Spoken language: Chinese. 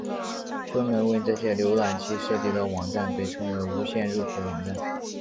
专门为这些浏览器设计的网站被称为无线入口网站。